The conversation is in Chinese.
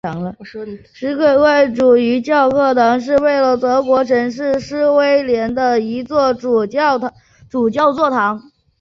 诗威林主教座堂是位于德国城市诗威林的一座主教座堂。